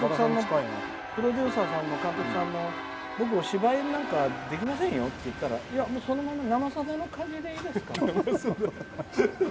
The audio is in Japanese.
プロデューサーさんも監督さんも僕、芝居なんかできませんよって言ったらいや、「生さだ」の感じでいいですからって。